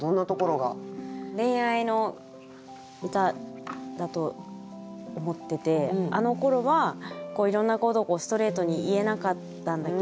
恋愛の歌だと思っててあの頃はいろんなことをストレートに言えなかったんだけど